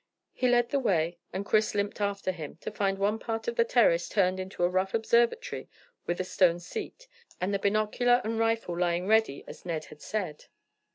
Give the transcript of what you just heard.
He led the way, and Chris limped after him, to find one part of the terrace turned into a rough observatory with a stone seat, and the binocular and rifle lying ready as Ned had said.